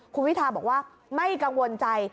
คุณวิทาบอกว่าไม่กังวลใจ